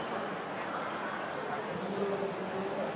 สวัสดีครับ